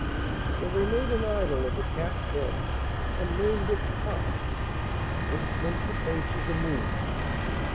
So they made an idol of the cat's head, and named it pasht, which meant the face of the moon.